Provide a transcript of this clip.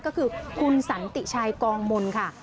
ก็คือคุณสันติชัยกองมนต์ค่ะ